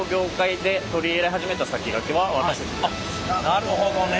なるほどね。